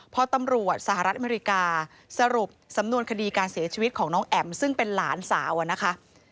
พอตำรวจสหรัฐอเมริกาสรุปสำนวนคดีการเสียชีวิตของน้องแอ๋มซึ่งเป็นหลานสาวนะคะ